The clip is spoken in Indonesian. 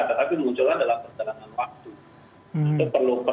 tetapi munculnya dalam perjalanan waktu